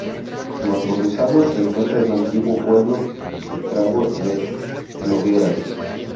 Bajo sus aguas se encuentra el antiguo pueblo de Tragó de Noguera.